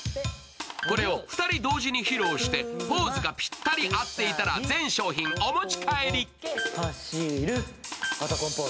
これを２人同時に披露してポーズがぴったり合っていたら全商品をお持ち帰り。